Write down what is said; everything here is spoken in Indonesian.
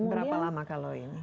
berapa lama kalau ini